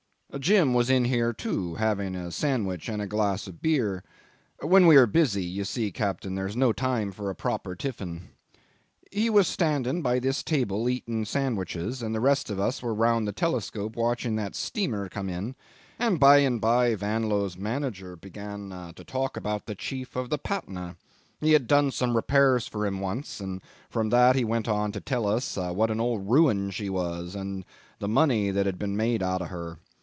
Jim was in here too, having a sandwich and a glass of beer; when we are busy you see, captain there's no time for a proper tiffin. He was standing by this table eating sandwiches, and the rest of us were round the telescope watching that steamer come in; and by and by Vanlo's manager began to talk about the chief of the Patna; he had done some repairs for him once, and from that he went on to tell us what an old ruin she was, and the money that had been made out of her.